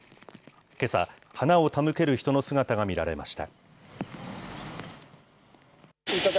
けさ、花を手向ける人の姿が見られました。